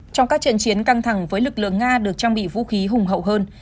trong các trận chiến căng thẳng với lực lượng nga được trang bị vũ khí hùng hậu hơn